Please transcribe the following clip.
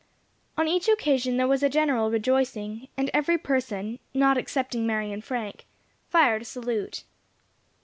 On each occasion there was a general rejoicing, and every person, not excepting Mary and Frank, fired a salute.